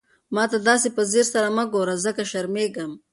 ما ته داسې په ځير سره مه ګوره، ځکه شرمېږم.